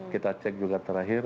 kita cek juga terakhir